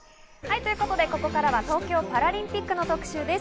ということで、ここからは東京パラリンピックの特集です。